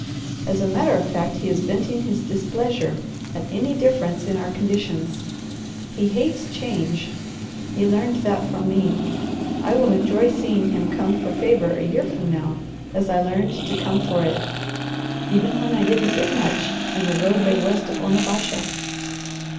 As a matter of fact he is venting his displeasure at any difference in our conditions. He hates change. He learned that from me. I will enjoy seeing him come for favour a year from now, as I learned to come for it, even when I didn't get much, and the road lay west of Onabasha.